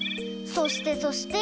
そしてそして。